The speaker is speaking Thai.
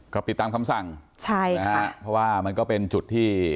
ก็ปิดตามคำสั่งใช่นะฮะเพราะว่ามันก็เป็นจุดที่